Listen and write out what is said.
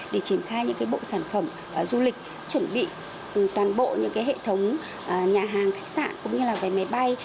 để triển khai những cái bộ sản phẩm du lịch chuẩn bị toàn bộ những cái hệ thống nhà hàng thách sạn cũng như là vé máy bay